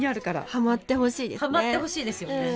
ハマってほしいですよね。